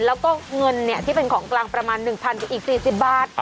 แล้วก็เงินที่เป็นของกลางประมาณ๑๐๐กับอีก๔๐บาท